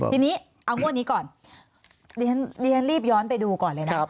ทีนี้เอางวดนี้ก่อนดิฉันรีบย้อนไปดูก่อนเลยนะ